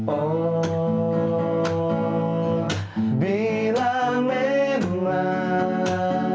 oh bila memang